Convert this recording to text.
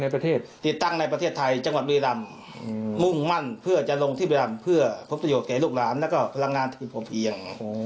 พยายามเพื่อพบประโยชน์กับลูกหลานและก็พลังงานที่ผมเอง